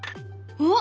おっ！